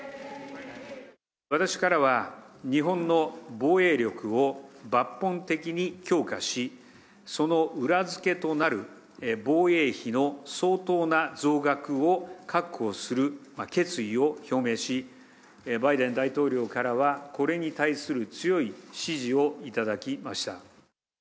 私からは、日本の防衛力を抜本的に強化し、その裏付けとなる防衛費の相当な増額を確保する決意を表明し、バイデン大統領からは、これに対する強い支持を頂きました。